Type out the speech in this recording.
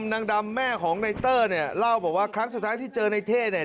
นางดำแม่ของในเตอร์เนี่ยเล่าบอกว่าครั้งสุดท้ายที่เจอในเท่เนี่ย